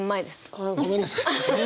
あっごめんなさい。